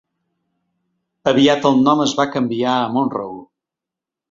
Aviat el nom es va canviar a Monroe.